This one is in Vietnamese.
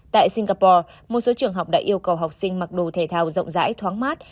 tại singapore một số trường học đã yêu cầu học sinh mặc đồ thể thao rộng rãi thoáng mát